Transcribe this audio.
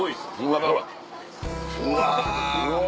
うわ！